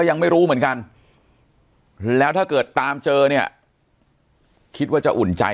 ยังไม่รู้เหมือนกันแล้วถ้าเกิดตามเจอเนี่ยคิดว่าจะอุ่นใจ